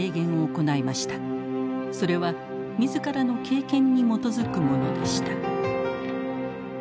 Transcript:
それは自らの経験に基づくものでした。